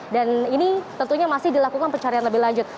dan ini tentunya masih dilakukan pencarian lebih lanjut